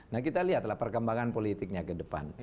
nah kita lihatlah perkembangan politiknya ke depan